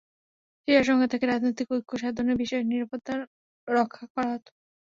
সেই আশঙ্কা থেকে রাজনৈতিক ঐক্য সাধনের বিষয়ে নীরবতা রক্ষা করা হতো।